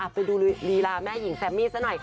ไปดูลีลาแม่หญิงแซมมี่ซะหน่อยค่ะ